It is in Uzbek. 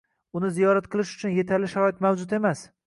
Uni ziyorat qilish uchun yetarli sharoit mavjud emas.